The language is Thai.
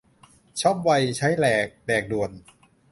ช็อปไว ใช้แหลก แดกด่วน